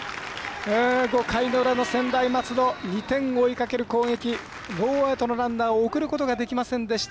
５回の裏の専大松戸２点を追いかける攻撃ノーアウトのランナーを送ることができませんでした。